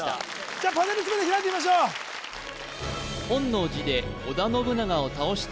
じゃあパネル全て開いてみましょう本能寺で織田信長を倒した